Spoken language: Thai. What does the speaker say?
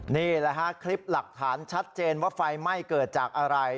นี่แหละฮะคลิปหลักฐานชัดเจนว่าไฟไหม้เกิดจากอะไร